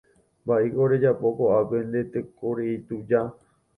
Mba'éiko rejapo ko'ápe nde tekorei tuja.